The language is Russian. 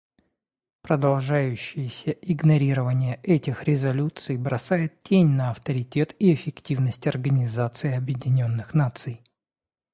Продолжающееся игнорирование этих резолюций бросает тень на авторитет и эффективность Организации Объединенных Наций.